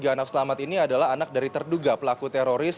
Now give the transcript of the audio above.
tiga anak selamat ini adalah anak dari terduga pelaku teroris